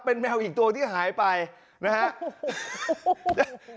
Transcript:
เป็นแมวอีกตัวที่หายไปนะครับ